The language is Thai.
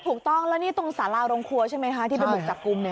ถูกต้องแล้วนี่ตรงสาราโรงครัวใช่ไหมคะที่ไปบุกจับกลุ่ม